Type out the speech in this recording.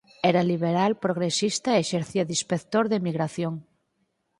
Era liberal progresista e exercía de Inspector de Emigración.